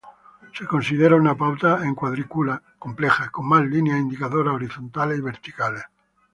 Se considera una pauta en cuadrícula compleja, con más líneas indicadoras horizontales y verticales.